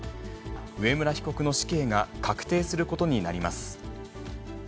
上村被告の死刑が確定することになります。